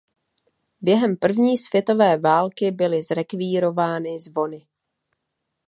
Během první světové války byly zrekvírovány zvony.